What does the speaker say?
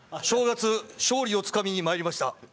正月、勝利をつかみにまいりました。